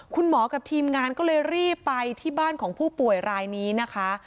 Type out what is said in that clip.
คุณหมอกับทีมงานก็เลยรีบไปที่บ้านของผู้ป่วยรายนี้นะคะ